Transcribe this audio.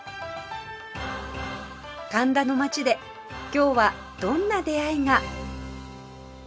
神田の街で今日はどんな出会いが？